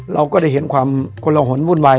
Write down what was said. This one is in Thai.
เราก็ได้เห็นความคนละหนวุ่นวาย